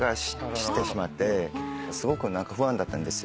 すごく不安だったんですよ。